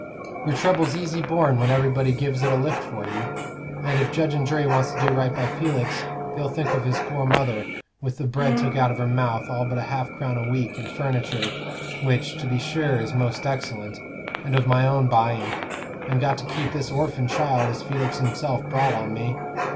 Your trouble's easy borne when everybody gives it a lift for you; and if judge and jury wants to do right by Felix, they'll think of his poor mother, with the bread took out of her mouth, all but half a crown a week and furniture which, to be sure, is most excellent, and of my own buying and got to keep this orphin child as Felix himself brought on me.